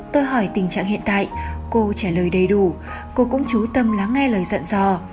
tôi hỏi tình trạng hiện tại cô trả lời đầy đủ cô cũng trú tâm lắng nghe lời dặn dò